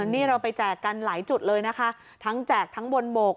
นี่เราไปแจกกันหลายจุดเลยนะคะทั้งแจกทั้งบนหมก